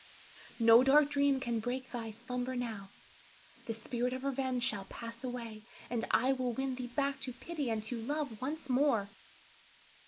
no dark dream can break thy slumber now; the spirit of revenge shall pass away, and I will win thee back to pity and to love once more.